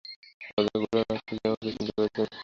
ভদ্রলোক বললেন, আপনি কি আমাকে চিনতে পারছেন?